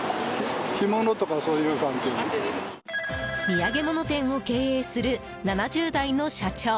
土産物店を経営する７０代の社長。